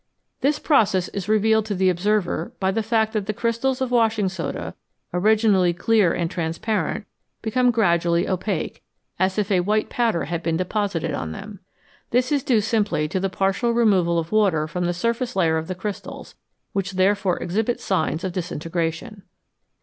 This process is revealed to the observer by the fact that the crystals of washing soda, originally clear and transparent, become gradually opaque, as if a white powder had been deposited on them. This is due simply to the partial removal of water from the surface layer of the crystals, which therefore exhibit signs of disintegration.